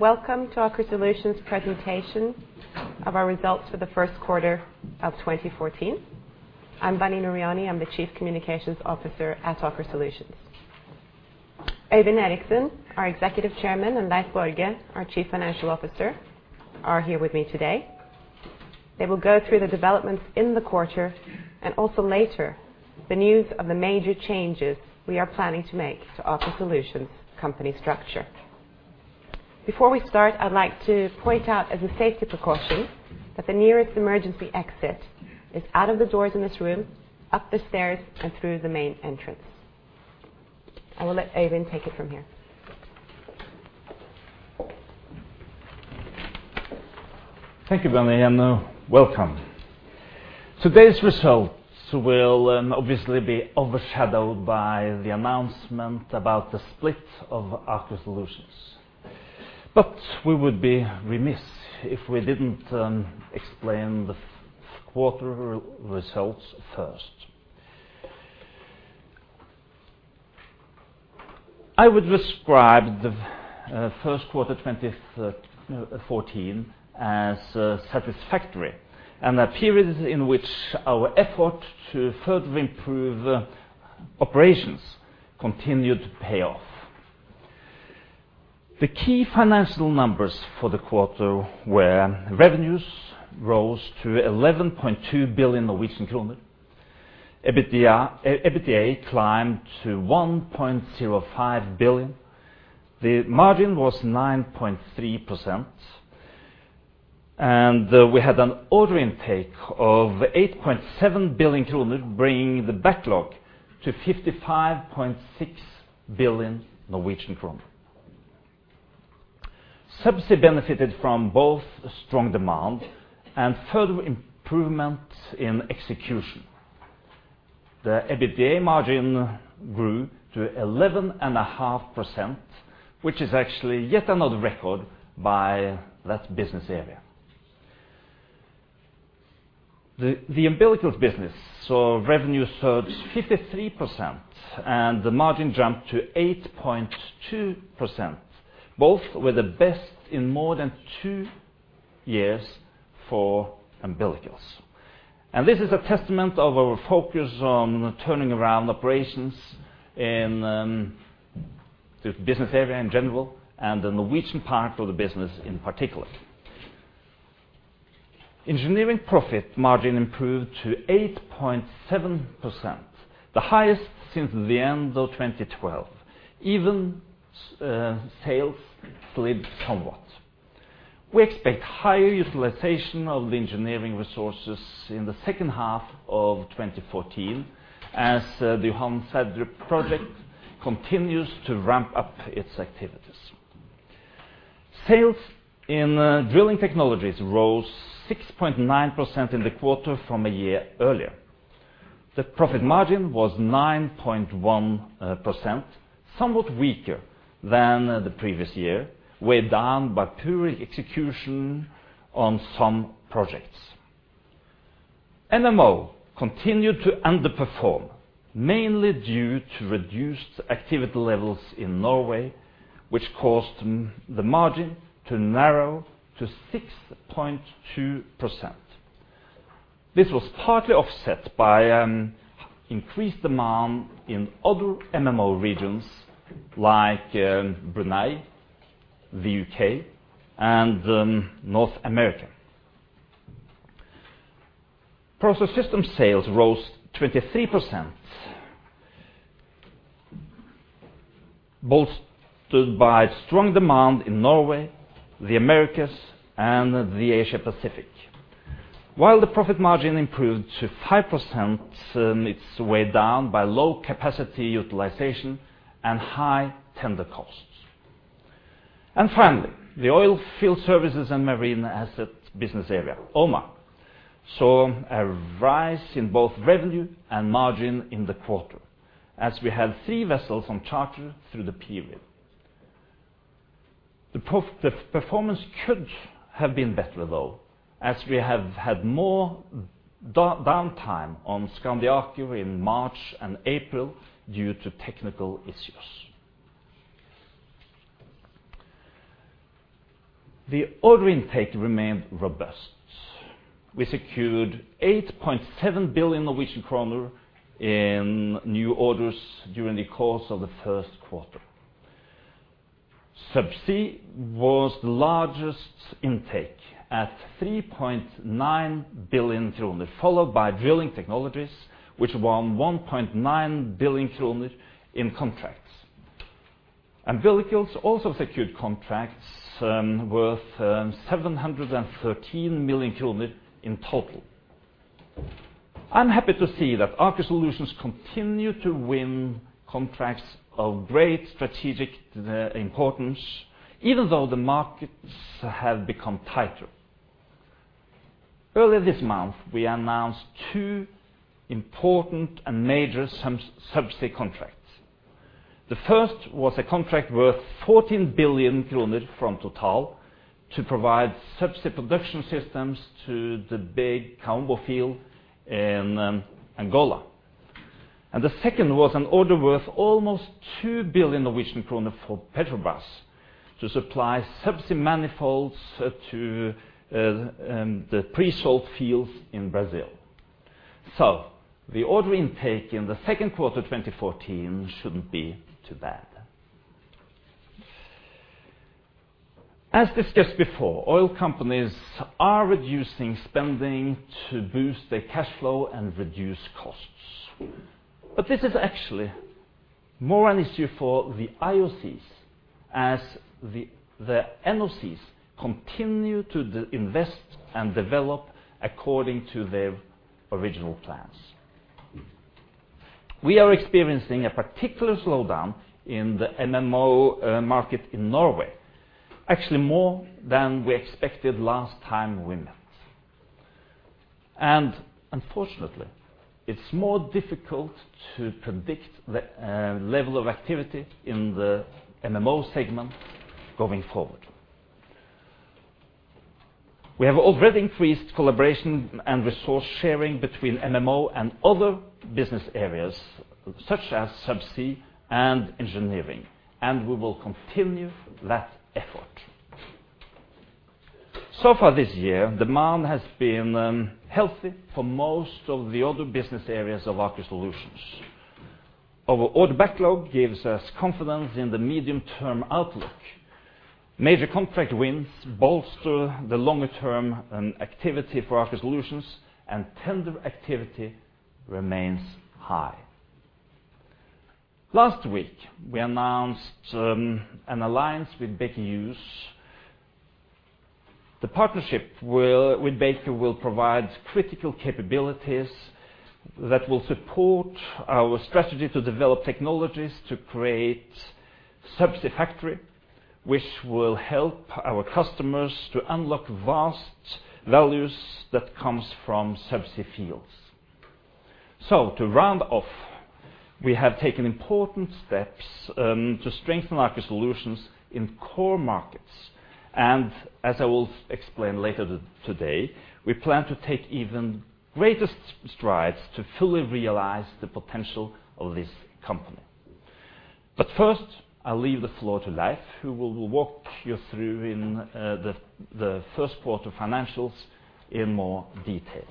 Welcome to Aker Solutions Presentation of our Results for the First Quarter of 2014. I'm Bunny Nooryani, I'm the Chief Communications Officer at Aker Solutions. Øyvind Eriksen, our Executive Chairman, and Leif Borge, our Chief Financial Officer, are here with me today. They will go through the developments in the quarter and also later, the news of the major changes we are planning to make to Aker Solutions' company structure. Before we start, I'd like to point out as a safety precaution that the nearest emergency exit is out of the doors in this room, up the stairs and through the main entrance. I will let Øyvind take it from here. Thank you, Bunny Nooryani, and welcome. Today's results will obviously be overshadowed by the announcement about the split of Aker Solutions. We would be remiss if we didn't explain the quarter results 1st. I would describe the 1st quarter 2014 as satisfactory, and a period in which our effort to further improve operations continued to pay off. The key financial numbers for the quarter were revenues rose to 11.2 billion Norwegian kroner. EBITDA climbed to 1.05 billion. The margin was 9.3%. We had an order intake of 8.7 billion kroner bringing the backlog to 55.6 billion Norwegian kroner. Subsea benefited from both strong demand and further improvement in execution. The EBITDA margin grew to 11.5%, which is actually yet another record by that business area. The Umbilicals business saw revenue surge 53% and the margin jumped to 8.2%, both were the best in more than two years for Umbilicals. This is a testament of our focus on turning around operations in the business area in general and the Norwegian part of the business in particular. Engineering profit margin improved to 8.7%, the highest since the end of 2012, even sales slid somewhat. We expect higher utilization of the engineering resources in the 2nd half of 2014 as the Johan Sverdrup project continues to ramp up its activities. Sales in Drilling Technologies rose 6.9% in the quarter from a year earlier. The profit margin was 9.1%, somewhat weaker than the previous year, weighed down by poor execution on some projects. MMO continued to underperform, mainly due to reduced activity levels in Norway, which caused the margin to narrow to 6.2%. This was partly offset by increased demand in other MMO regions like Brunei, the UK and North America. Process Systems sales rose 23%, bolstered by strong demand in Norway, the Americas and the Asia Pacific. While the profit margin improved to 5%, it's weighed down by low capacity utilization and high tender costs. Finally, the Oilfield Services and Marine Assets business area, OMA, saw a rise in both revenue and margin in the quarter as we had 3 vessels on charter through the period. The performance could have been better though, as we have had more downtime on Skandi Aker in March and April due to technical issues. The order intake remained robust. We secured 8.7 billion Norwegian kroner in new orders during the course of the 1st quarter. Subsea was the largest intake at 3.9 billion kroner, followed by Drilling Technologies, which won 1.9 billion kroner in contracts. Umbilicals also secured contracts worth 713 million in total. I'm happy to see that Aker Solutions continue to win contracts of great strategic importance, even though the markets have become tighter. Earlier this month, we announced two important and major Subsea contracts. The 1st was a contract worth 14 billion kroner from Total to provide Subsea production systems to the big Kaombo field in Angola. The 2nd was an order worth almost 2 billion Norwegian kroner for Petrobras to supply subsea manifolds to the pre-salt fields in Brazil. The order intake in the 2nd quarter 2014 shouldn't be too bad. As discussed before, oil companies are reducing spending to boost their cash flow and reduce costs. This is actually more an issue for the IOCs as the NOCs continue to invest and develop according to their original plans. We are experiencing a particular slowdown in the MMO market in Norway, actually more than we expected last time we met. Unfortunately, it's more difficult to predict the level of activity in the MMO segment going forward. We have already increased collaboration and resource sharing between MMO and other business areas, such as Subsea and Engineering, and we will continue that effort. So far this year, demand has been healthy for most of the other business areas of Aker Solutions. Our order backlog gives us confidence in the medium-term outlook. Major contract wins bolster the longer-term activity for Aker Solutions, and tender activity remains high. Last week, we announced an alliance with Baker Hughes. The partnership with Baker will provide critical capabilities that will support our strategy to develop technologies to create subsea factory, which will help our customers to unlock vast values that comes from subsea fields. To round off, we have taken important steps to strengthen Aker Solutions in core markets. As I will explain later today, we plan to take even greater strides to fully realize the potential of this company. First, I'll leave the floor to Leif, who will walk you through the 1st quarter financials in more detail.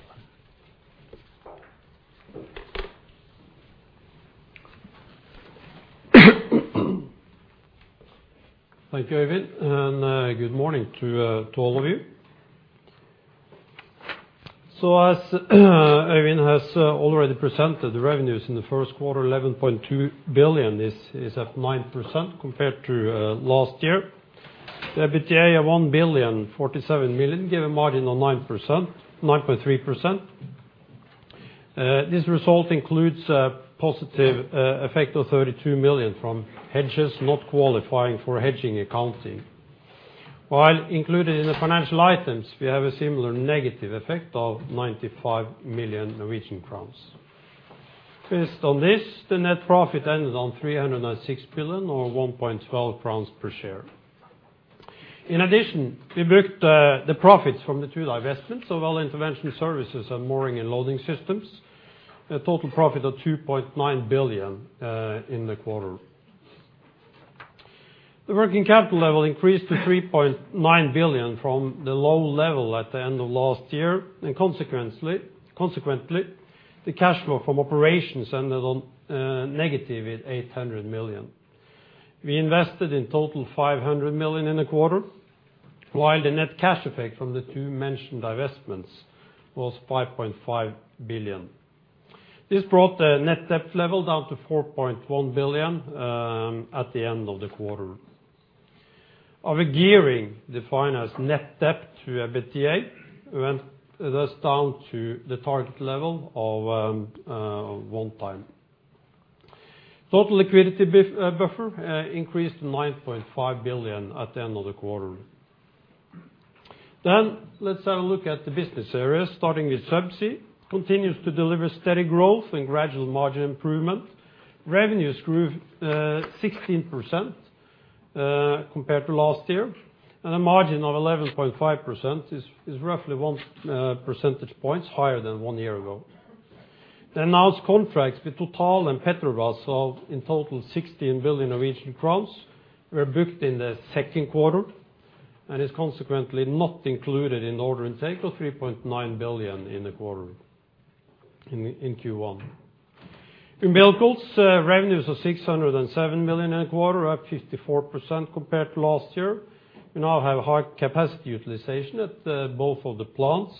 Thank you, Øyvind, and good morning to all of you. As Øyvind has already presented the revenues in the 1st quarter, 11.2 billion is up 9% compared to last year. The EBITDA, 1,047 million, gave a margin of 9.3%. This result includes a positive effect of 32 million from hedges not qualifying for hedging accounting. While included in the financial items, we have a similar negative effect of 95 million Norwegian crowns. Based on this, the net profit ended on 306 billion or 1.12 crowns per share. In addition, we booked the profits from the two divestments of our intervention services and mooring and loading systems, a total profit of 2.9 billion in the quarter. The working capital level increased to 3.9 billion from the low level at the end of last year. Consequently, the cash flow from operations ended on negative at 800 million. We invested in total 500 million in the quarter, while the net cash effect from the two mentioned divestments was 5.5 billion. This brought the net debt level down to 4.1 billion at the end of the quarter. Our gearing, defined as net debt to EBITDA, went thus down to the target level of 1 time. Total liquidity buffer increased to 9.5 billion at the end of the quarter. Let's have a look at the business areas, starting with subsea, continues to deliver steady growth and gradual margin improvement. Revenues grew 16% compared to last year, and a margin of 11.5% is roughly 1 percentage points higher than 1 year ago. The announced contracts with Total and Petrobras of, in total, 16 billion Norwegian crowns were booked in the 2nd quarter and is consequently not included in order intake of 3.9 billion in the quarter in Q1. In Subsea, revenues of 607 million in the quarter, up 54% compared to last year. We now have high capacity utilization at both of the plants.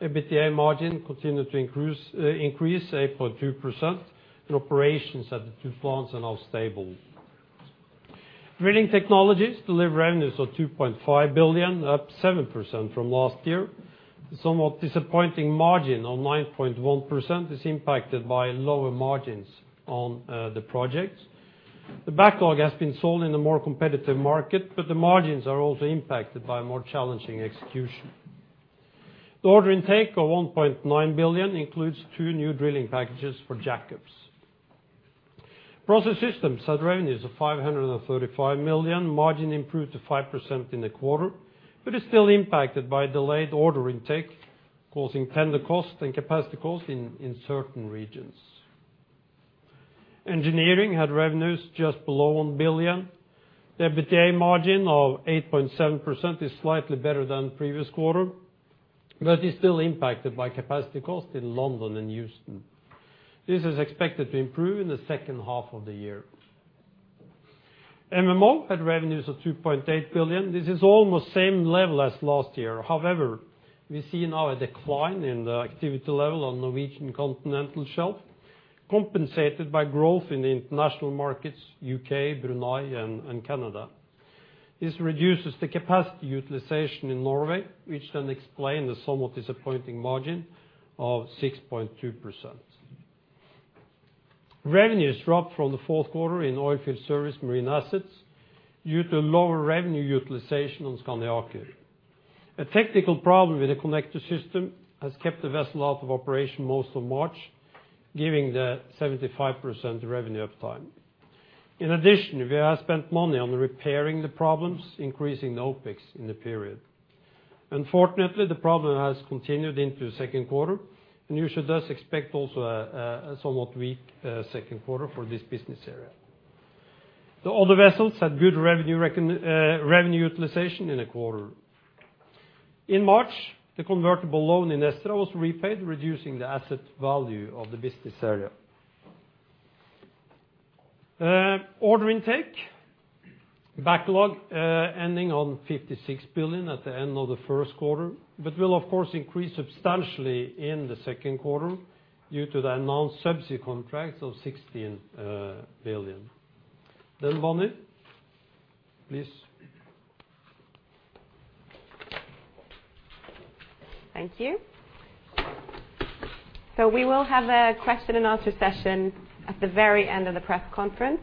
EBITDA margin continued to increase 8.2%. The operations at the two plants are now stable. Drilling Technologies deliver revenues of 2.5 billion, up 7% from last year. The somewhat disappointing margin of 9.1% is impacted by lower margins on the projects. The backlog has been sold in a more competitive market, but the margins are also impacted by more challenging execution. The order intake of 1.9 billion includes two new drilling packages for Jack-ups. Process Systems had revenues of 535 million, margin improved to 5% in the quarter, but is still impacted by delayed order intake, causing tender costs and capacity costs in certain regions. Engineering had revenues just below 1 billion. The EBITDA margin of 8.7% is slightly better than previous quarter, but is still impacted by capacity costs in London and Houston. This is expected to improve in the 2nd half of the year. MMO had revenues of 2.8 billion. This is almost same level as last year. We see now a decline in the activity level on Norwegian Continental Shelf, compensated by growth in the international markets, U.K., Brunei, and Canada. This reduces the capacity utilization in Norway, which can explain the somewhat disappointing margin of 6.2%. Revenues dropped from the 4th quarter in oil field service marine assets due to lower revenue utilization on Skandi Aker. A technical problem with the connector system has kept the vessel out of operation most of March, giving the 75% revenue uptime. In addition, we have spent money on repairing the problems, increasing the OpEx in the period. The problem has continued into the 2nd quarter, you should thus expect also a somewhat weak 2nd quarter for this business area. The other vessels had good revenue utilization in the quarter. In March, the convertible loan in Ezra was repaid, reducing the asset value of the business area. Order intake. Backlog ending on 56 billion at the end of the 1st quarter, will of course increase substantially in the 2nd quarter due to the announced subsea contracts of 16 billion. Bunny, please. Thank you. We will have a question and answer session at the very end of the press conference,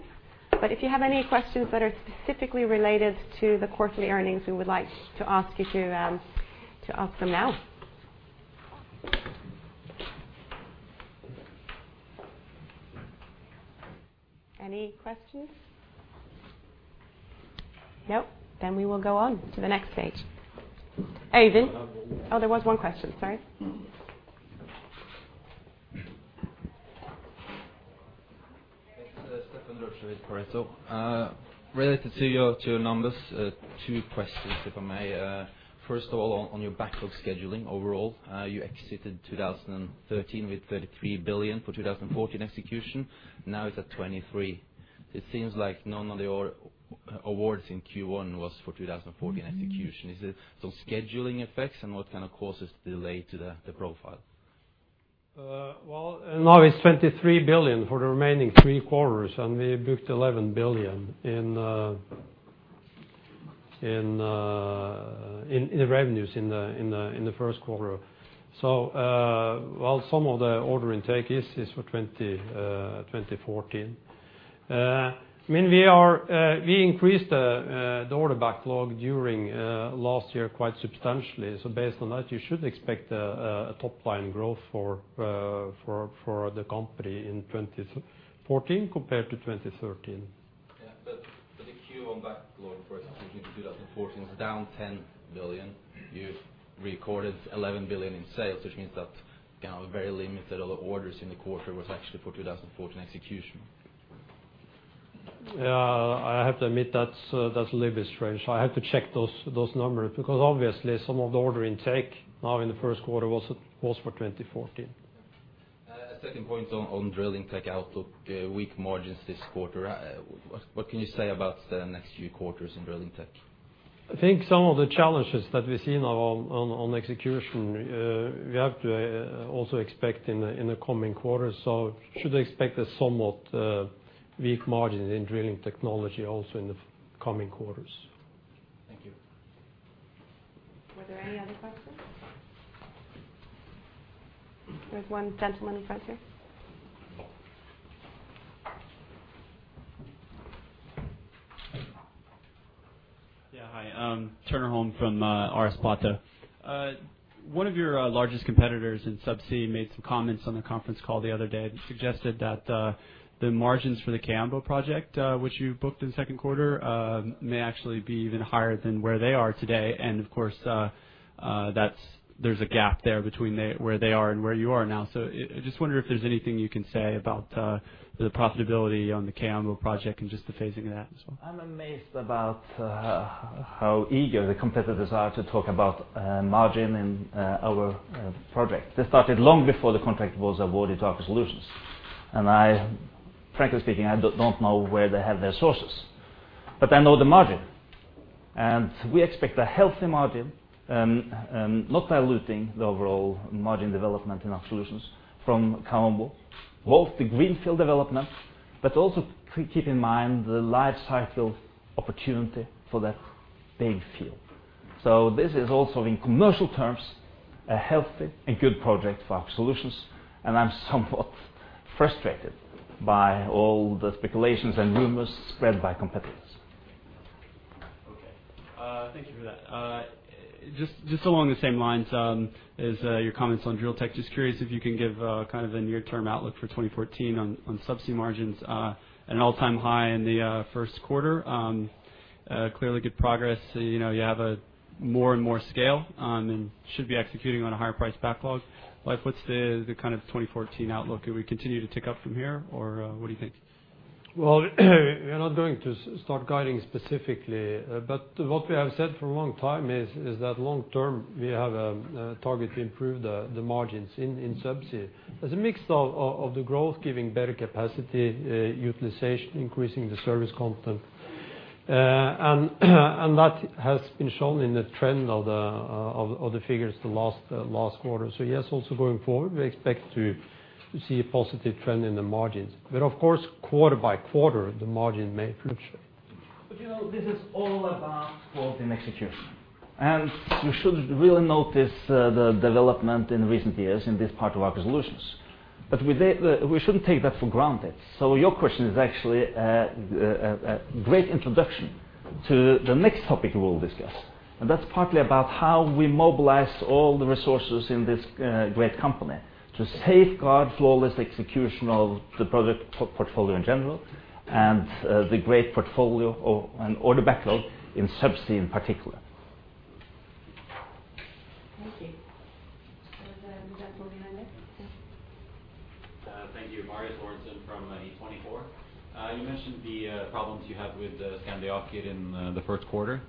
but if you have any questions that are specifically related to the quarterly earnings, we would like to ask you to ask them now. Any questions? Nope. We will go on to the next page. Even? Oh, there was one question. Sorry. It's Stephan Roesch with Pareto. Related to your 2 numbers, 2 questions, if I may. First of all, on your backlog scheduling overall, you exited 2013 with 33 billion for 2014 execution. Now it's at 23 billion. It seems like none of the awards in Q1 was for 2014 execution. Mm-hmm. Is it some scheduling effects? What kind of causes the delay to the profile? Now it's 23 billion for the remaining three quarters, and we booked 11 billion in the revenues in the 1st quarter. While some of the order intake is for 2014. I mean, we are, we increased the order backlog during last year quite substantially. Based on that, you should expect a top-line growth for the company in 2014 compared to 2013. The Q1 backlog, for example, between 2014 was down 10 billion. You've recorded 11 billion in sales, which means that, you know, very limited of the orders in the quarter was actually for 2014 execution. I have to admit that's a little bit strange. I have to check those numbers because obviously some of the order intake now in the 1st quarter was for 2014. Yeah. A 2nd point on Drilling Tech outlook, weak margins this quarter. What can you say about the next few quarters in Drilling Tech? I think some of the challenges that we see now on execution, we have to also expect in the coming quarters. Should expect a somewhat weak margin in Drilling Technologies also in the coming quarters. Thank you. Were there any other questions? There's one gentleman in front here. Hi, Turner Holm from RS Platou. One of your largest competitors in Subsea made some comments on the conference call the other day that suggested that the margins for the Kaombo project, which you booked in the 2nd quarter, may actually be even higher than where they are today. Of course, there's a gap there between they, where they are and where you are now. Just wonder if there's anything you can say about the profitability on the Kaombo project and just the phasing of that as well. I'm amazed about how eager the competitors are to talk about margin in our project. They started long before the contract was awarded Aker Solutions. I, frankly speaking, I don't know where they have their sources, but I know the margin. We expect a healthy margin, not diluting the overall margin development in our solutions from Kaombo, both the greenfield development, but also keep in mind the life cycle opportunity for that big field. This is also, in commercial terms, a healthy and good project for Aker Solutions, and I'm somewhat frustrated by all the speculations and rumors spread by competitors. Thank you for that. Just along the same lines, as your comments on DrillTech, just curious if you can give kind of a near-term outlook for 2014 on Subsea margins, at an all-time high in the 1st quarter. Clearly good progress. You know, you have a more and more scale, and should be executing on a higher price backlog. Like, what's the kind of 2014 outlook? Do we continue to tick up from here or what do you think? Well we're not going to start guiding specifically, but what we have said for a long time is that long term, we have a target to improve the margins in Subsea. As a mix of the growth giving better capacity utilization, increasing the service content. That has been shown in the trend of the figures the last quarter. Yes, also going forward, we expect to see a positive trend in the margins. Of course, quarter by quarter, the margin may fluctuate. You know, this is all about quality and execution. You should really notice the development in recent years in this part of Aker Solutions. We shouldn't take that for granted. Your question is actually a great introduction to the next topic we will discuss. That's partly about how we mobilize all the resources in this great company to safeguard flawless execution of the product portfolio in general and the great portfolio of and order backlog in subsea in particular. Thank you. Then we have over there next. Yes. Thank you. Marius Lorentzen from E24. You mentioned the problems you had with the Skandi Aker in the 1st quarter.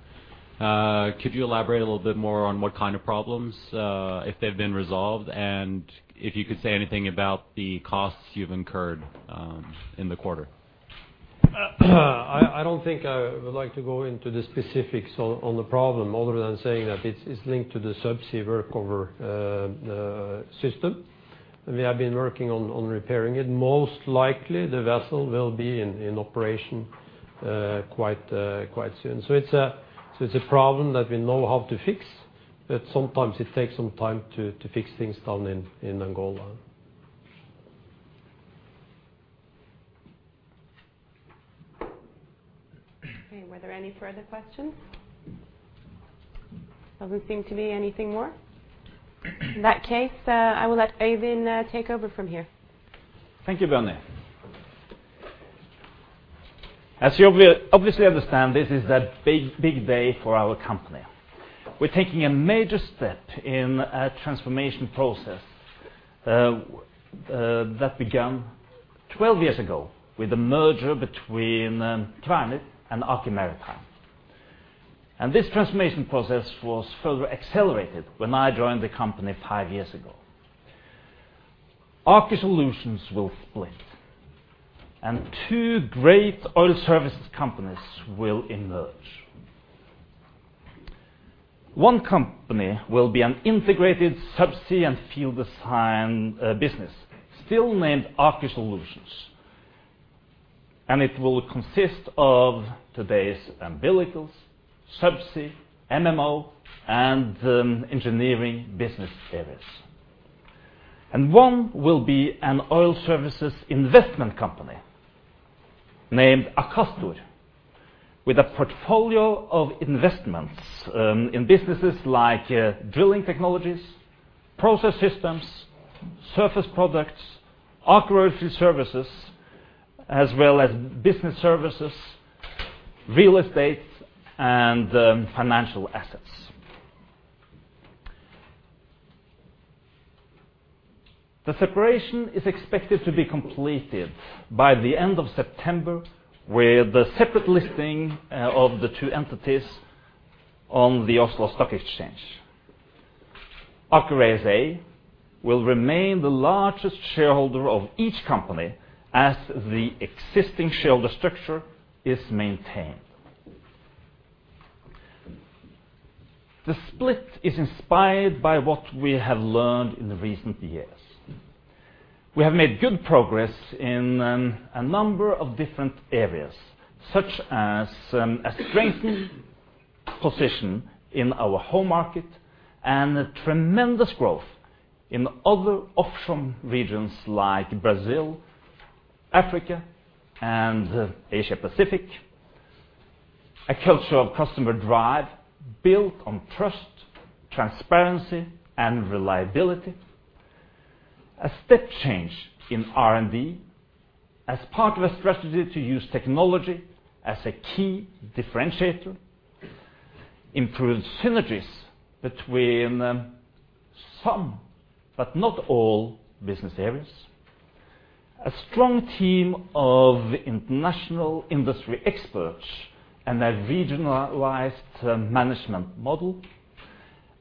Could you elaborate a little bit more on what kind of problems, if they've been resolved, and if you could say anything about the costs you've incurred, in the quarter? I don't think I would like to go into the specifics on the problem other than saying that it's linked to the subsea workover system. We have been working on repairing it. Most likely, the vessel will be in operation quite soon. It's a problem that we know how to fix. Sometimes it takes some time to fix things down in Angola. Okay. Were there any further questions? Doesn't seem to be anything more. In that case, I will let Øyvind take over from here. Thank you, Bunny. As you obviously understand, this is a big, big day for our company. We're taking a major step in a transformation process that began 12 years ago with the merger between Kværner and Aker Maritime. This transformation process was further accelerated when I joined the company 5 years ago. Aker Solutions will split, and two great oil services companies will emerge. One company will be an integrated Subsea and Field Design business still named Aker Solutions, and it will consist of today's Umbilicals, Subsea, MMO, and engineering business areas. One will be an oil services investment company named Akastor, with a portfolio of investments in businesses like Drilling Technologies, Process Systems, Surface Products, Aker Oilfield Services, as well as business services, real estate, and financial assets. The separation is expected to be completed by the end of September, with a separate listing of the two entities on the Oslo Stock Exchange. Aker ASA will remain the largest shareholder of each company as the existing shareholder structure is maintained. The split is inspired by what we have learned in the recent years. We have made good progress in a number of different areas, such as a strengthened position in our home market and a tremendous growth in other offshore regions like Brazil, Africa, and Asia-Pacific. A culture of customer drive built on trust, transparency, and reliability. A step change in R&D as part of a strategy to use technology as a key differentiator. Improved synergies between some, but not all business areas. A strong team of international industry experts and a regionalized management model,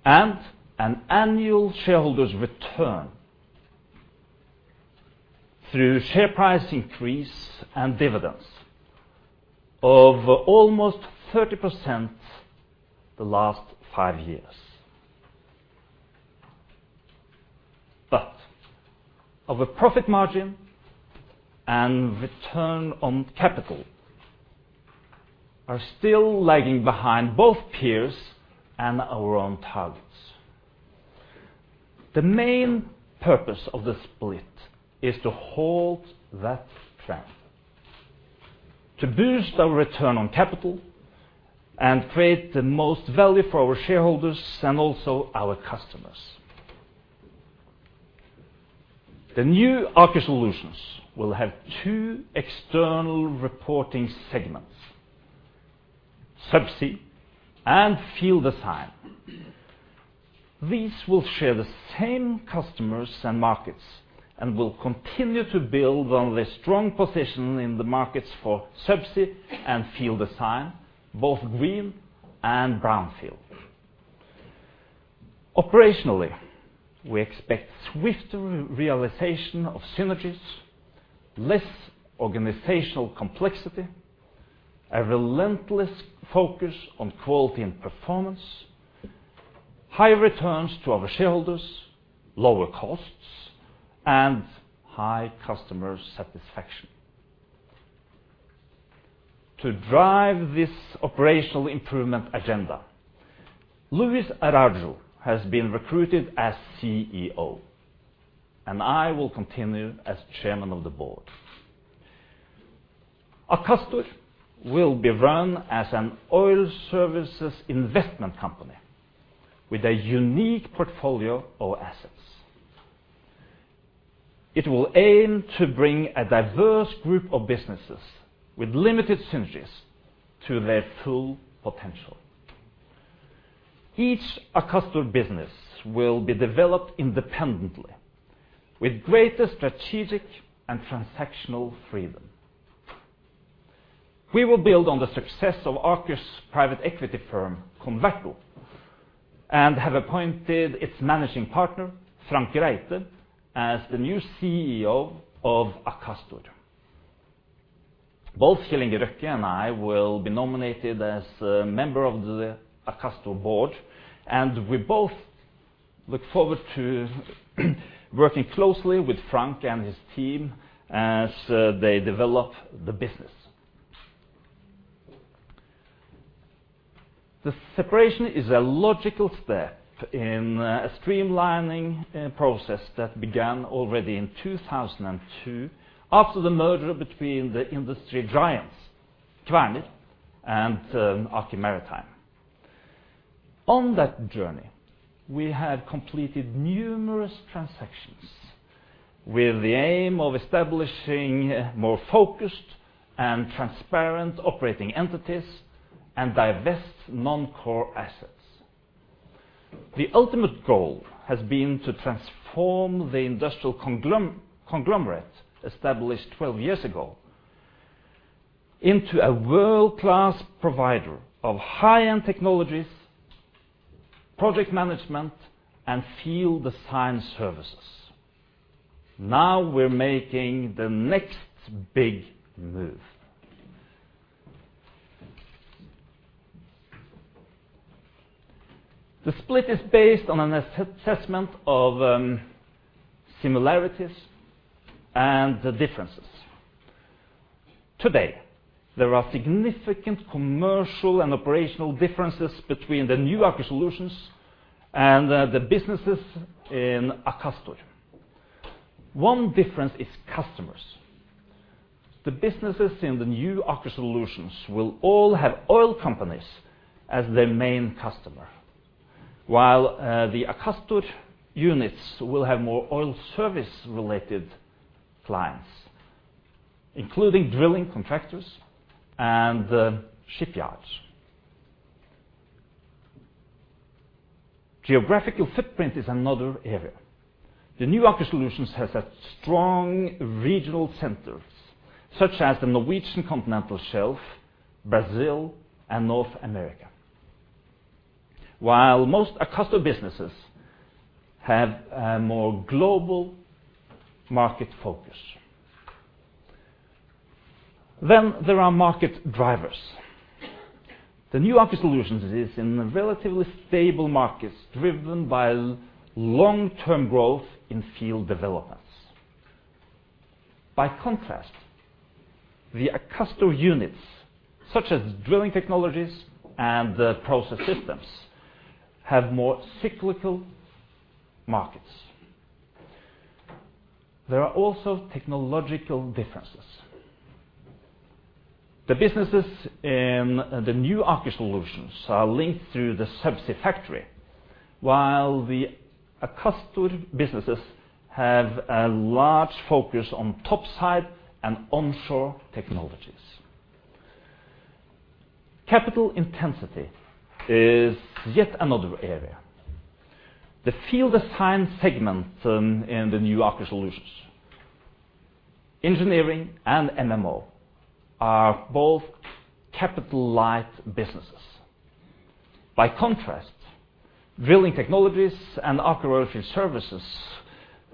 and an annual shareholders return through share price increase and dividends of almost 30% the last 5 years. Our profit margin and return on capital are still lagging behind both peers and our own targets. The main purpose of the split is to halt that trend, to boost our return on capital, and create the most value for our shareholders and also our customers. The new Aker Solutions will have 2 external reporting segments, Subsea and Field Design. These will share the same customers and markets, and will continue to build on the strong position in the markets for Subsea and Field Design, both green and brown field. Operationally, we expect swifter realization of synergies, less organizational complexity, a relentless focus on quality and performance, high returns to our shareholders, lower costs, and high customer satisfaction. To drive this operational improvement agenda, Luis Araujo has been recruited as CEO, and I will continue as chairman of the board. Akastor will be run as an oil services investment company with a unique portfolio of assets. It will aim to bring a diverse group of businesses with limited synergies to their full potential. Each Akastor business will be developed independently with greater strategic and transactional freedom. We will build on the success of Aker's private equity firm, Converto, and have appointed its managing partner, Frank Reite, as the new CEO of Akastor. Both Kjell Inge Røkke and I will be nominated as a member of the Akastor board, and we both look forward to working closely with Frank and his team as they develop the business. The separation is a logical step in a streamlining process that began already in 2002 after the merger between the industry giants, Kværner and Aker Maritime. On that journey, we have completed numerous transactions with the aim of establishing more focused and transparent operating entities and divest non-core assets. The ultimate goal has been to transform the industrial conglomerate established 12 years ago into a world-class provider of high-end technologies, project management, and Field Design services. Now we're making the next big move. The split is based on an assessment of similarities and differences. Today, there are significant commercial and operational differences between the new Aker Solutions and the businesses in Akastor. One difference is customers. The businesses in the new Aker Solutions will all have oil companies as their main customer. While the Akastor units will have more oil service-related clients, including drilling contractors and shipyards. Geographical footprint is another area. The new Aker Solutions has a strong regional centers, such as the Norwegian Continental Shelf, Brazil, and North America. While most Akastor businesses have a more global market focus. There are market drivers. The new Aker Solutions is in relatively stable markets driven by long-term growth in field developments. By contrast, the Akastor units, such as Drilling Technologies and Process Systems, have more cyclical markets. There are also technological differences. The businesses in the new Aker Solutions are linked through the subsea factory, while the Akastor businesses have a large focus on top side and onshore technologies. Capital intensity is yet another area. The Field Design segment in the new Aker Solutions, engineering and MMO are both capital-light businesses. By contrast, Drilling Technologies and Aker Oilfield Services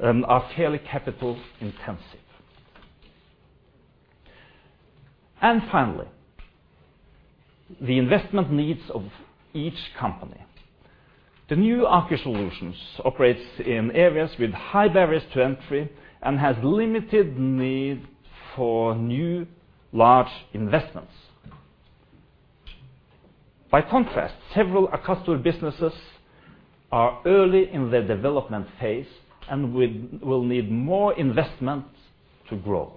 are fairly capital-intensive. Finally, the investment needs of each company. The new Aker Solutions operates in areas with high barriers to entry and has limited need for new large investments. By contrast, several Aker Solutions businesses are early in their development phase and will need more investment to grow.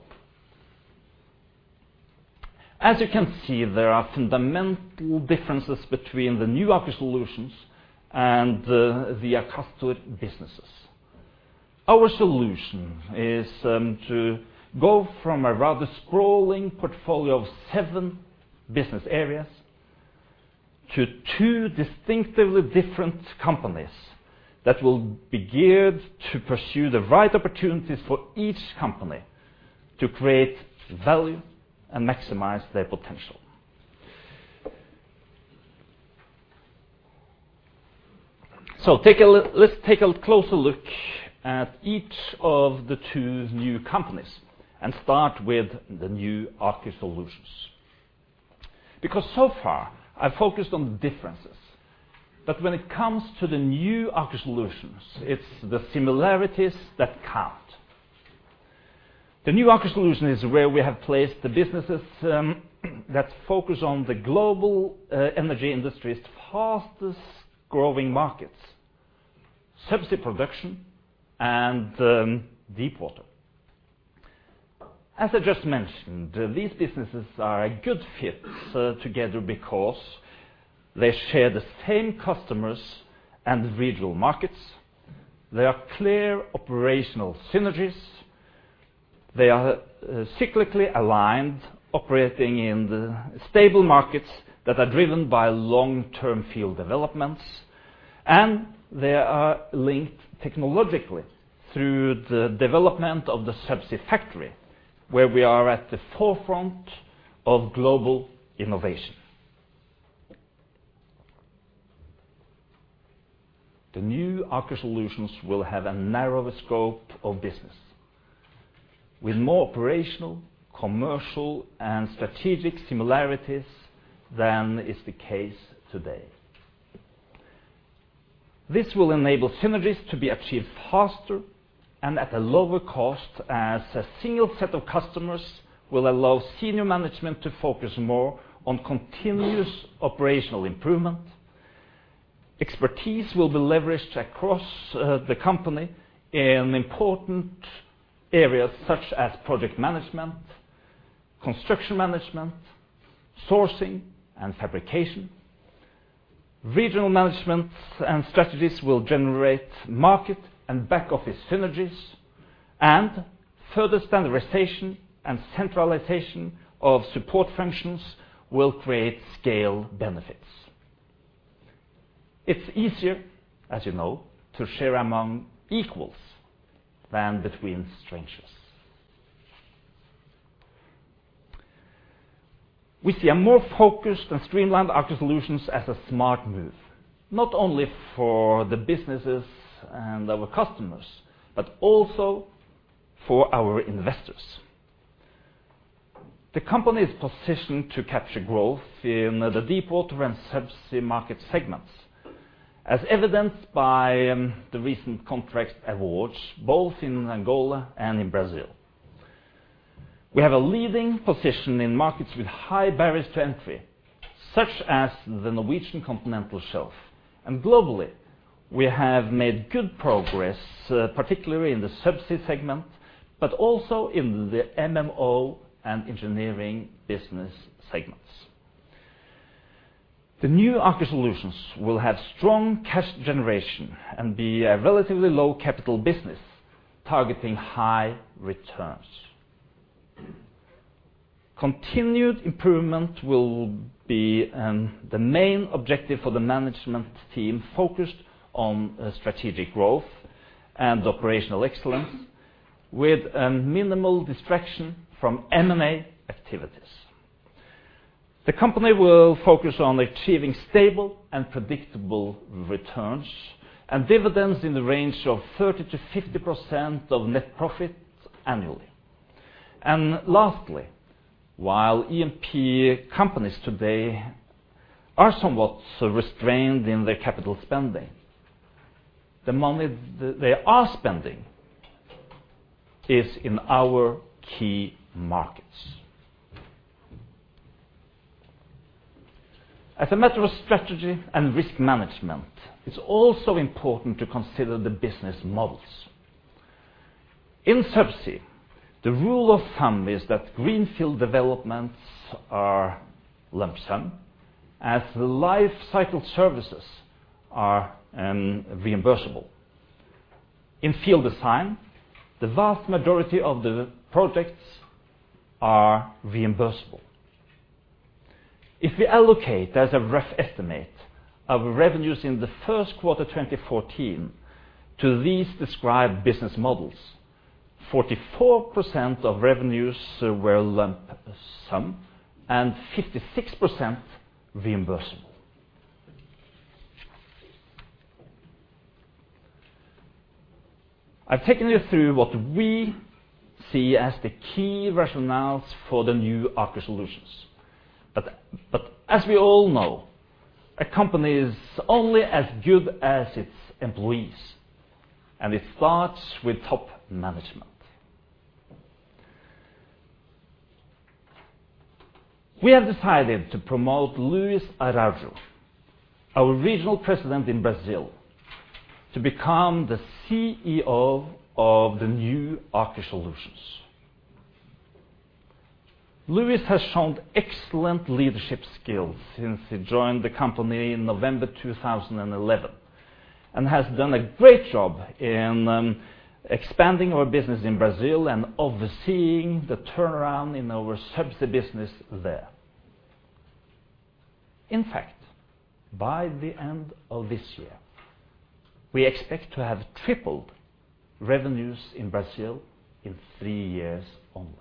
As you can see, there are fundamental differences between the new Aker Solutions and the Aker Solutions businesses. Our solution is to go from a rather sprawling portfolio of 7 business areas to 2 distinctively different companies that will be geared to pursue the right opportunities for each company to create value and maximize their potential. Let's take a closer look at each of the 2 new companies and start with the new Aker Solutions. Because so far I've focused on the differences, but when it comes to the new Aker Solutions, it's the similarities that count. The new Aker Solutions is where we have placed the businesses that focus on the global energy industry's fastest-growing markets, Subsea production and Deepwater. As I just mentioned, these businesses are a good fit together because they share the same customers and regional markets. There are clear operational synergies. They are cyclically aligned, operating in the stable markets that are driven by long-term field developments, and they are linked technologically through the development of the Subsea factory, where we are at the forefront of global innovation. The new Aker Solutions will have a narrower scope of business with more operational, commercial, and strategic similarities than is the case today. This will enable synergies to be achieved faster and at a lower cost, as a single set of customers will allow senior management to focus more on continuous operational improvement. Expertise will be leveraged across the company in important areas such as project management, construction management, sourcing and fabrication. Regional management and strategies will generate market and back-office synergies and further standardization and centralization of support functions will create scale benefits. It's easier, as you know, to share among equals than between strangers. We see a more focused and streamlined Aker Solutions as a smart move, not only for the businesses and our customers, but also for our investors. The company is positioned to capture growth in the Deepwater and Subsea market segments, as evidenced by the recent contract awards both in Angola and in Brazil. We have a leading position in markets with high barriers to entry, such as the Norwegian continental shelf. Globally, we have made good progress, particularly in the Subsea segment, but also in the MMO and engineering business segments. The new Aker Solutions will have strong cash generation and be a relatively low capital business targeting high returns. Continued improvement will be the main objective for the management team focused on strategic growth and operational excellence with a minimal distraction from M&A activities. The company will focus on achieving stable and predictable returns and dividends in the range of 30%-50% of net profit annually. Lastly, while E&P companies today are somewhat restrained in their capital spending, the money they are spending is in our key markets. As a matter of strategy and risk management, it's also important to consider the business models. In Subsea, the rule of thumb is that greenfield developments are lump sum as the life cycle services are reimbursable. In Field Design, the vast majority of the projects are reimbursable. If we allocate as a rough estimate our revenues in the 1st quarter, 2014 to these described business models, 44% of revenues were lump sum and 56% reimbursable. I've taken you through what we see as the key rationales for the new Aker Solutions. As we all know, a company is only as good as its employees, and it starts with top management. We have decided to promote Luis Araujo, our regional president in Brazil, to become the CEO of the new Aker Solutions. Luis has shown excellent leadership skills since he joined the company in November 2011, and has done a great job in expanding our business in Brazil and overseeing the turnaround in our Subsea business there. In fact, by the end of this year, we expect to have tripled revenues in Brazil in 3 years only.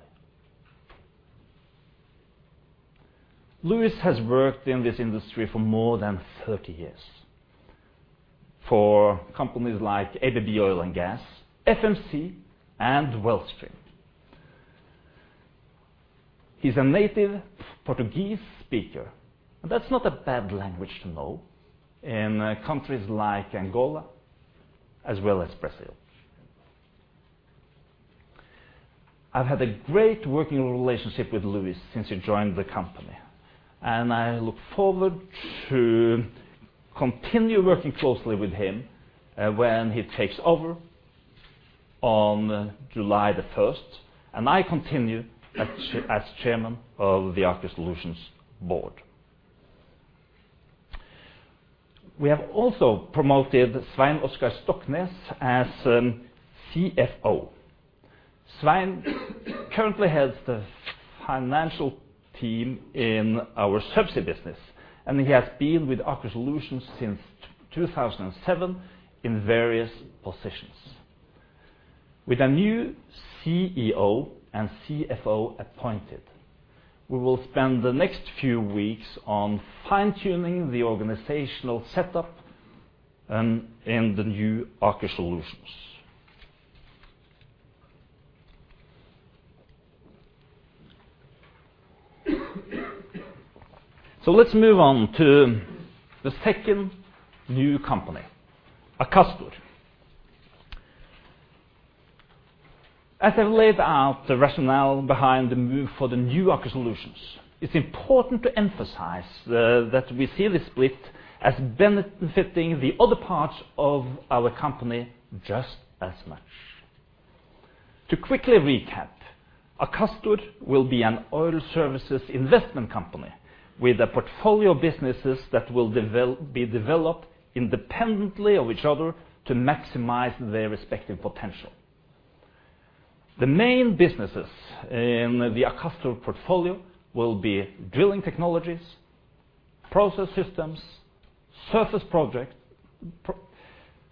Luis has worked in this industry for more than 30 years for companies like ABB Oil and Gas, FMC, and Wellstream. He's a native Portuguese speaker, and that's not a bad language to know in countries like Angola as well as Brazil. I've had a great working relationship with Luis since he joined the company, and I look forward to continue working closely with him when he takes over on July 1st, and I continue as Chairman of the Aker Solutions board. We have also promoted Svein Oskar Stoknes as CFO. Svein currently has the financial team in our Subsea business, and he has been with Aker Solutions since 2007 in various positions. With a new CEO and CFO appointed, we will spend the next few weeks on fine-tuning the organizational setup in the new Aker Solutions. Let's move on to the 2nd new company, Akastor. As I laid out the rationale behind the move for the new Aker Solutions, it's important to emphasize that we see this split as benefiting the other parts of our company just as much. To quickly recap, Akastor will be an oil services investment company with a portfolio of businesses that will be developed independently of each other to maximize their respective potential. The main businesses in the Akastor portfolio will be Drilling Technologies, Process Systems, Surface Project,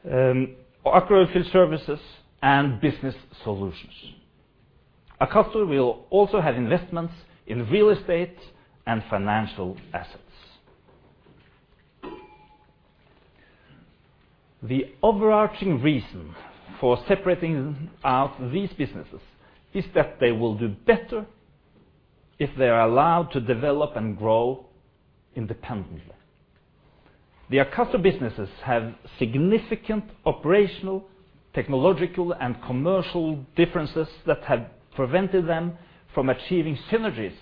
Aker OilField Services, and business solutions. Akastor will also have investments in real estate and financial assets. The overarching reason for separating out these businesses is that they will do better if they are allowed to develop and grow independently. The Akastor businesses have significant operational, technological, and commercial differences that have prevented them from achieving synergies,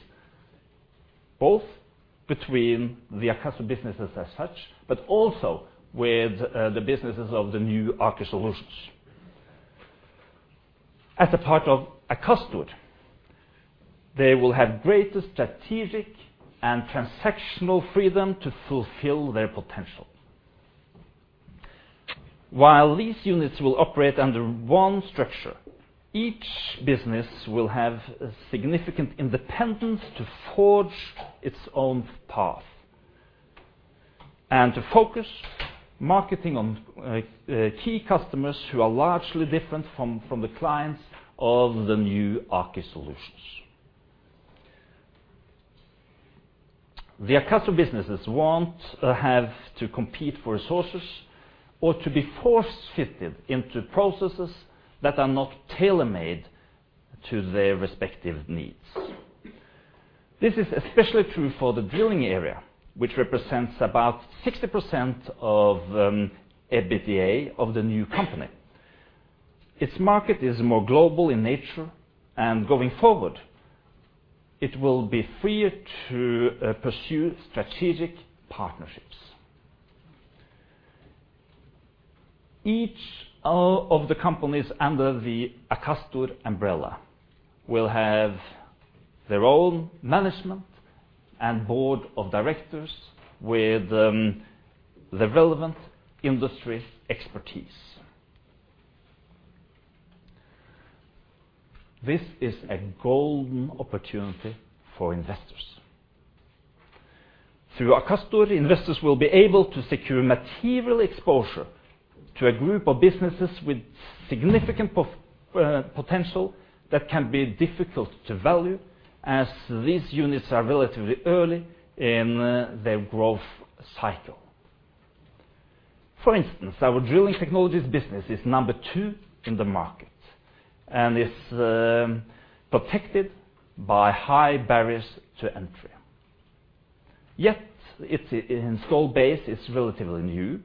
both between the Akastor businesses as such, but also with the businesses of the new Aker Solutions. As a part of Akastor, they will have greater strategic and transactional freedom to fulfill their potential. While these units will operate under one structure, each business will have a significant independence to forge its own path and to focus marketing on key customers who are largely different from the clients of the new Aker Solutions. The Akastor businesses won't have to compete for resources or to be force-fitted into processes that are not tailor-made to their respective needs. This is especially true for the drilling area, which represents about 60% of EBITDA of the new company. Its market is more global in nature, and going forward, it will be free to pursue strategic partnerships. Each of the companies under the Akastor umbrella will have their own management and board of directors with the relevant industry expertise. This is a golden opportunity for investors. Through Akastor, investors will be able to secure material exposure to a group of businesses with significant potential that can be difficult to value, as these units are relatively early in their growth cycle. For instance, our Drilling Technologies business is number two in the market and is protected by high barriers to entry. Yet its installed base is relatively new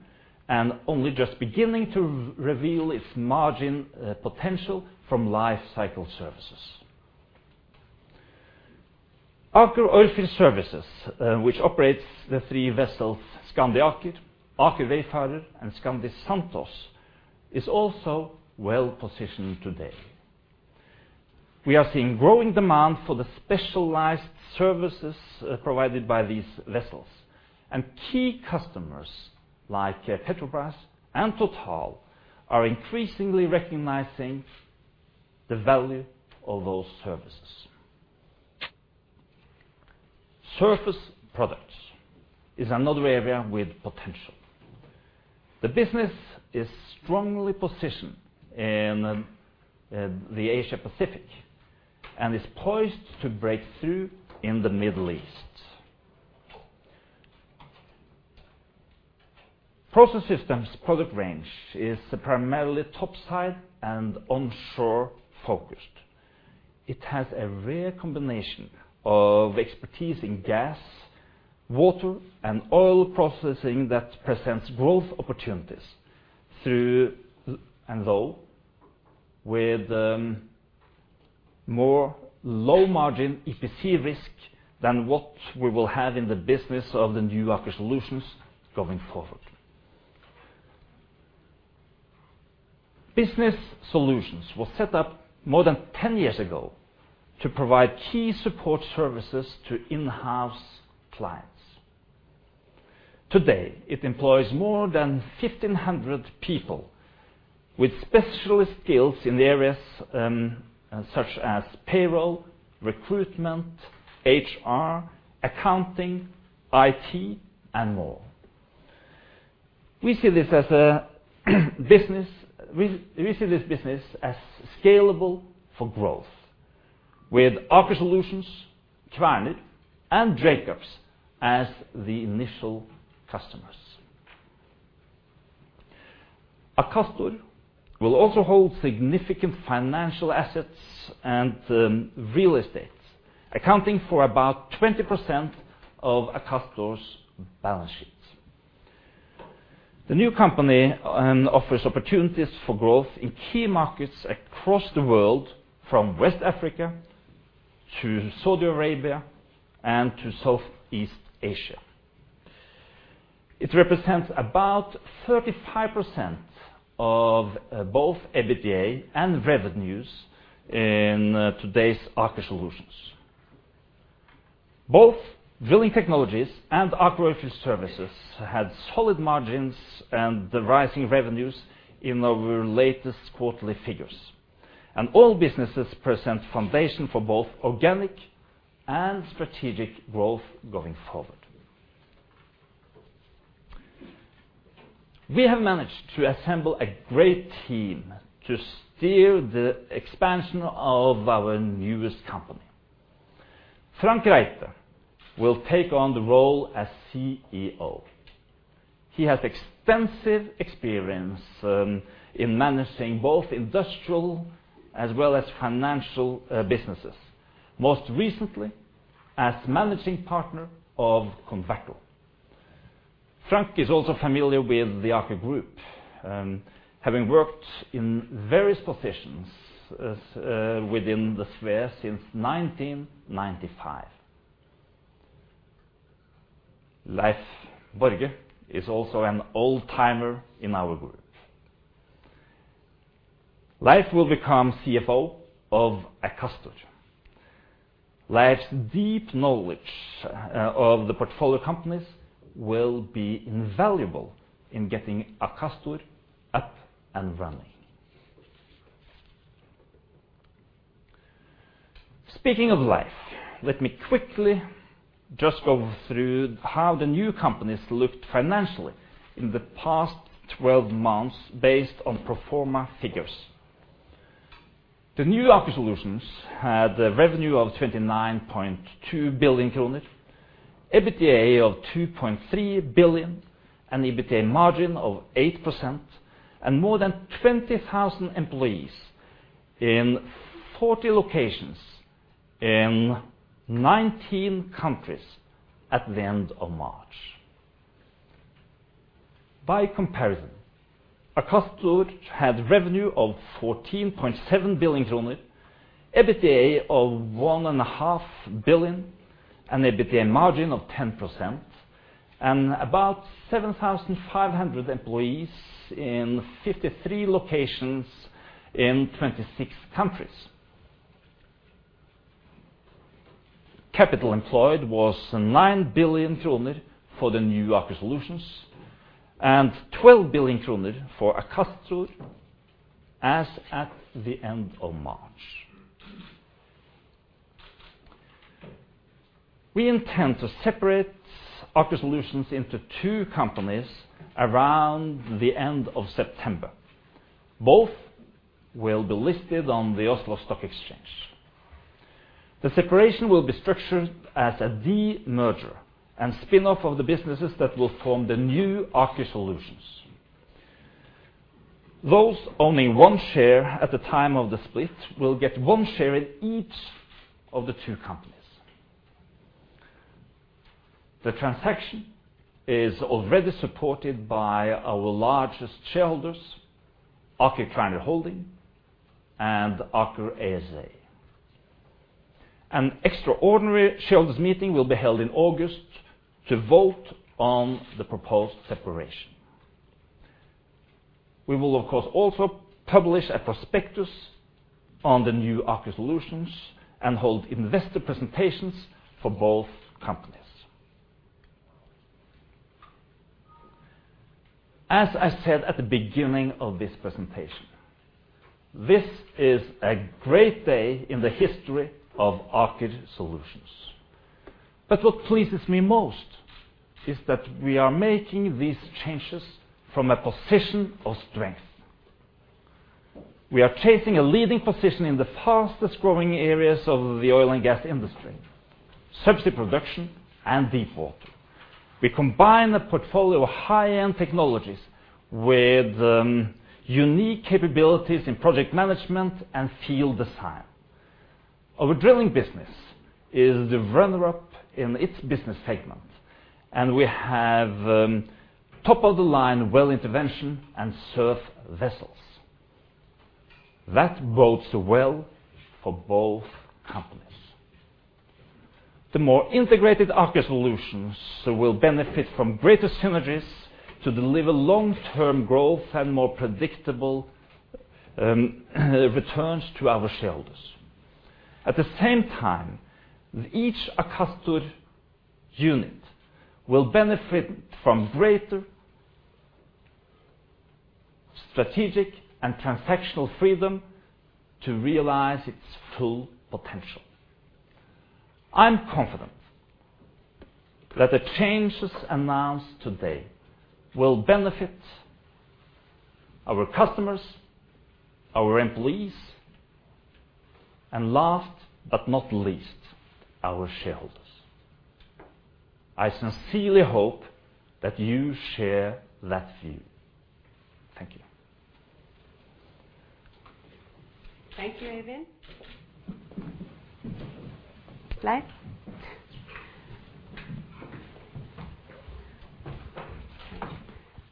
and only just beginning to reveal its margin potential from life cycle services. Aker Oilfield Services, which operates the three vessels, Skandi Aker Wayfarer, and Skandi Santos, is also well-positioned today. We are seeing growing demand for the specialized services provided by these vessels. Key customers like Petrobras and Total are increasingly recognizing the value of those services. Surface Products is another area with potential. The business is strongly positioned in the Asia-Pacific, and is poised to break through in the Middle East. Process Systems product range is primarily topside and onshore focused. It has a rare combination of expertise in gas, water, and oil processing that presents growth opportunities through and though with more low-margin EPC risk than what we will have in the business of the new Aker Solutions going forward. Business Solutions was set up more than 10 years ago to provide key support services to in-house clients. Today, it employs more than 1,500 people with specialist skills in areas such as payroll, recruitment, HR, accounting, IT, and more. We see this business as scalable for growth, with Aker Solutions, Kværner, and Jacobs as the initial customers. Akastor will also hold significant financial assets and real estate, accounting for about 20% of Akastor's balance sheets. The new company offers opportunities for growth in key markets across the world, from West Africa to Saudi Arabia and to Southeast Asia. It represents about 35% of both EBITDA and revenues in today's Aker Solutions. Both Drilling Technologies and Aker Oilfield Services had solid margins and the rising revenues in our latest quarterly figures. All businesses present foundation for both organic and strategic growth going forward. We have managed to assemble a great team to steer the expansion of our newest company. Frank Reite will take on the role as CEO. He has extensive experience in managing both industrial as well as financial businesses, most recently as managing partner of Converto. Frank is also familiar with the Aker group, having worked in various positions within the sphere since 1995. Leif Borge is also an old-timer in our group. Leif will become CFO of Akastor. Leif's deep knowledge of the portfolio companies will be invaluable in getting Akastor up and running. Speaking of Leif, let me quickly just go through how the new companies looked financially in the past 12 months based on pro forma figures. The new Aker Solutions had a revenue of 29.2 billion kroner, EBITDA of 2.3 billion, an EBITDA margin of 8%, and more than 20,000 employees in 40 locations in 19 countries at the end of March. By comparison, Akastor had revenue of 14.7 billion kroner, EBITDA of 1.5 billion, an EBITDA margin of 10%, and about 7,500 employees in 53 locations in 26 countries. Capital employed was 9 billion kroner for the new Aker Solutions and 12 billion kroner for Akastor as at the end of March. We intend to separate Aker Solutions into two companies around the end of September. Both will be listed on the Oslo Stock Exchange. The separation will be structured as a demerger and spin-off of the businesses that will form the new Aker Solutions. Those owning one share at the time of the split will get one share in each of the two companies. The transaction is already supported by our largest shareholders, Aker Kværner Holding and Aker ASA. An extraordinary shareholders' meeting will be held in August to vote on the proposed separation. We will of course also publish a prospectus on the new Aker Solutions and hold investor presentations for both companies. As I said at the beginning of this presentation, this is a great day in the history of Aker Solutions. What pleases me most is that we are making these changes from a position of strength. We are chasing a leading position in the fastest-growing areas of the oil and gas industry: subsea production and deepwater. We combine a portfolio of high-end technologies with unique capabilities in project management and field design. Our drilling business is the runner-up in its business segment, and we have top-of-the-line well intervention and serve vessels. That bodes well for both companies. The more integrated Aker Solutions will benefit from greater synergies to deliver long-term growth and more predictable returns to our shareholders. At the same time, each Akastor unit will benefit from greater strategic and transactional freedom to realize its full potential. I'm confident that the changes announced today will benefit our customers, our employees, and last but not least, our shareholders. I sincerely hope that you share that view. Thank you. Thank you, Øyvind. Next.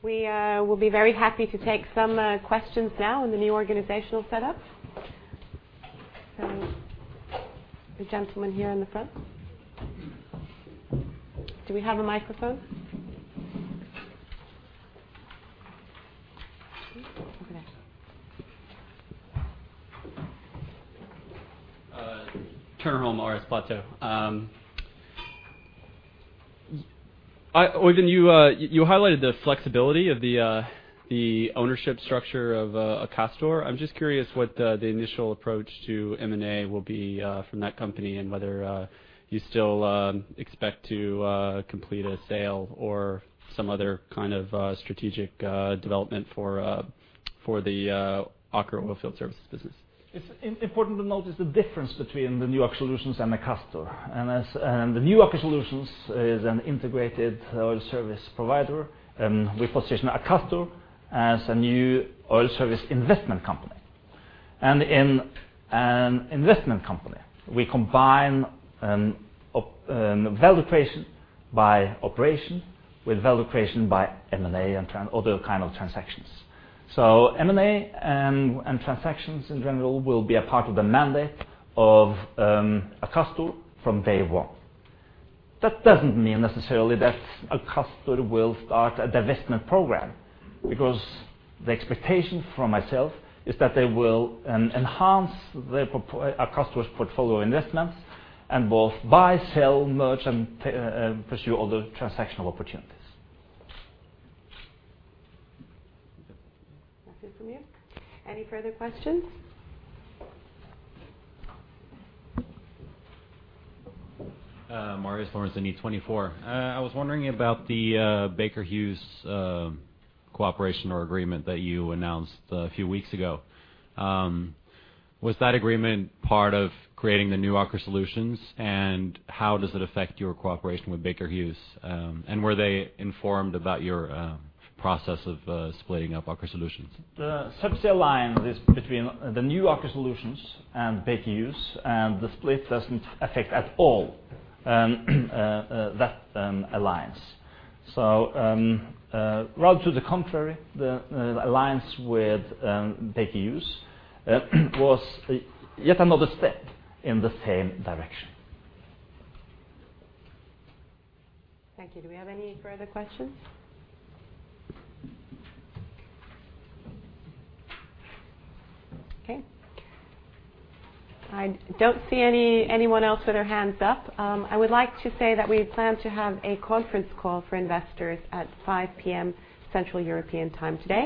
We will be very happy to take some questions now on the new organizational setup. The gentleman here in the front. Do we have a microphone? Over there. Turner Holm, RS Platou. Øyvind, you highlighted the flexibility of the ownership structure of Akastor. I'm just curious what the initial approach to M&A will be from that company, and whether you still expect to complete a sale or some other kind of strategic development for the Aker Oilfield Services business. It's important to notice the difference between the new Aker Solutions and Akastor. The new Aker Solutions is an integrated oil service provider, and we position Akastor as a new oil service investment company. In an investment company, we combine value creation by operation with value creation by M&A and other kind of transactions. M&A and transactions in general will be a part of the mandate of Akastor from day one. That doesn't mean necessarily that Akastor will start a divestment program, because the expectation from myself is that they will enhance the Akastor's portfolio investments and both buy, sell, merge, and pursue other transactional opportunities. Nothing from you? Any further questions? Marius Lorentzen from E24. I was wondering about the Baker Hughes cooperation or agreement that you announced a few weeks ago. Was that agreement part of creating the new Aker Solutions? How does it affect your cooperation with Baker Hughes? Were they informed about your process of splitting up Aker Solutions? The subsea alliance is between the new Aker Solutions and Baker Hughes. The split doesn't affect at all that alliance. Rather to the contrary, the alliance with Baker Hughes was yet another step in the same direction. Thank you. Do we have any further questions? I don't see anyone else with their hands up. I would like to say that we plan to have a conference call for investors at 5:00 P.M. Central European time today.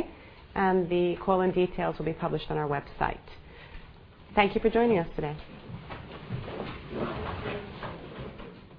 The call-in details will be published on our website. Thank you for joining us today. Thank you.